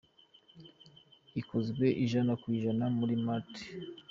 Ikozwe ijana ku ijana muri Malt.